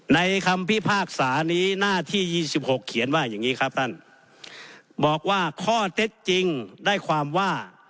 คำพิพากษานี้หน้าที่ยี่สิบหกเขียนว่าอย่างนี้ครับท่านบอกว่าข้อเท็จจริงได้ความว่า